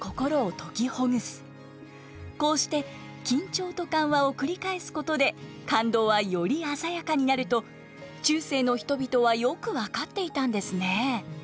こうして緊張と緩和を繰り返すことで感動はより鮮やかになると中世の人々はよく分かっていたんですね。